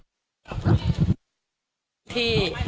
สามสอง